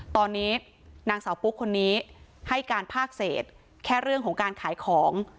ตอนนี้นางสาวปุ๊กคนนี้ให้การภาคเศษแค่เรื่องของการขายของ